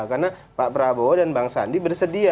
karena pak prabowo dan bang sandi bersedia